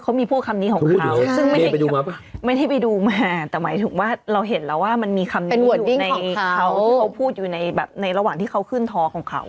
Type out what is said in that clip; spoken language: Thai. เขามีพวกคำนี้ของเขาซึ่งไม่ได้ไปดูมาแต่หมายถึงว่าเราเห็นแล้วว่ามันมีคำนี้อยู่ในเขาที่เขาพูดอยู่ในแบบในระหว่างที่เขาขึ้นท้อของเขา